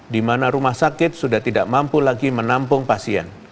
dimana rumah sakit sudah tidak mampu lagi menampung pasien